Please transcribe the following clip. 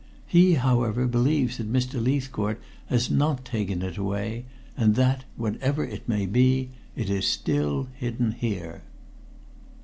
He, however, believes that Mr. Leithcourt has not taken it away, and that, whatever it may be, it is still hidden here."